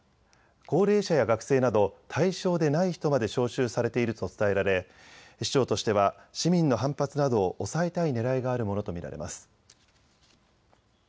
高齢者や学生など対象でない人まで招集されていると伝えられ市長としては市民の反発などを抑えたいねらいがあるものと見られます。